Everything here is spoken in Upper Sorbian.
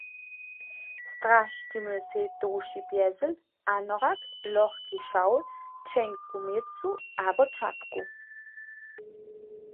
Zdrasćimy sej tołši pjezl, anorak, lochki šawl, ćeńku měcu abo čapku.